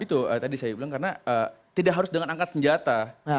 itu tadi saya bilang karena tidak harus dengan angkat senjata